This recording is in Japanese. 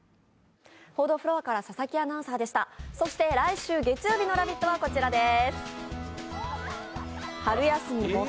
来週月曜日の「ラヴィット！」はこちらです。